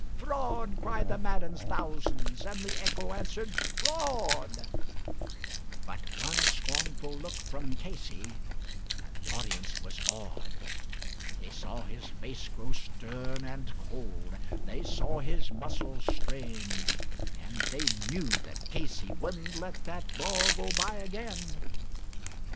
"Fraud!" yelled the maddened thousands, and the echo answered "Fraud," But one scornful look from Casey and the audience was awed; They saw his face grow stern and cold; they saw his muscles strain, And they knew that Casey would not let that ball go by again.